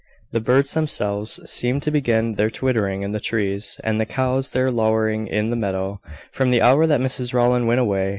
The birds themselves seemed to begin their twittering in the trees, and the cows their lowing in the meadow, from the hour that Mrs Rowland went away.